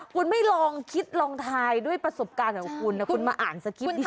คุณไม่ลองคิดลองทายด้วยประสบการณ์ของคุณนะคุณมาอ่านสคริปดี